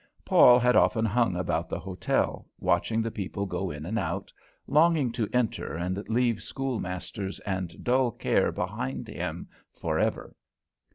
Paul had often hung about the hotel, watching the people go in and out, longing to enter and leave school masters and dull care behind him for ever.